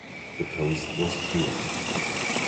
The coast was clear.